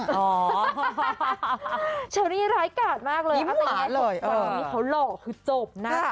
ชะมัดค่ะใช่นี่ไลฟ์ก๋าดมากเลยอาจจะอ้าวนี่เขาหลอกคือโจบนะ